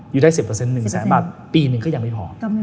อยู่ได้๑๐เปอร์เซ็นต์๑แสนบาทปีนึงก็ยังไม่พอ